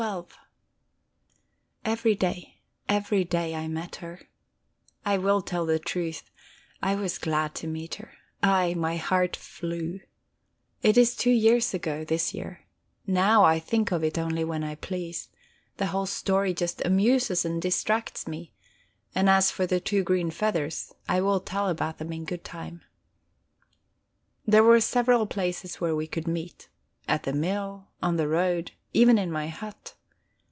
XII Every day, every day I met her. I will tell the truth: I was glad to meet her; aye, my heart flew. It is two years ago this year; now, I think of it only when I please, the whole story just amuses and distracts me. And as for the two green feathers, I will tell about them in good time. There were several places where we could meet at the mill, on the road, even in my hut.